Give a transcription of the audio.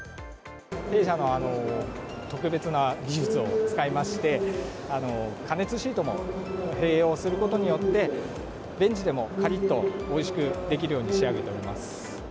弊社の特別な技術を使いまして、加熱シートも併用することによって、レンジでもかりっとおいしくできるように仕上げております。